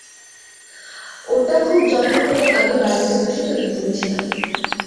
ওটা খুব যত্ন করে আমি বাড়িতে বসে তৈরি করেছিলাম।